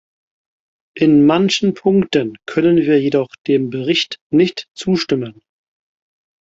In manchen Punkten können wir jedoch dem Bericht nicht zustimmen.